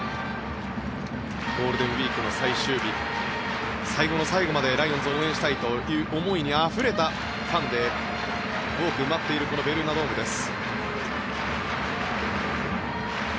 ゴールデンウィークの最終日最後の最後までライオンズを応援したいという思いにあふれたファンで多く埋まっているこのベルーナドームです。